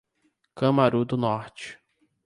Cumaru do Norte